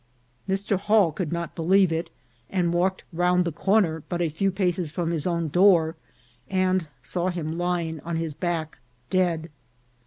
Mr. Hall could not believe it, and walked round the corner, but a few paces from his own door, and saw him lying on his back, dead.